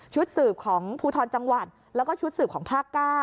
สืบของภูทรจังหวัดแล้วก็ชุดสืบของภาค๙